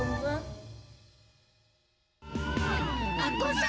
lopatlah nahar lari lari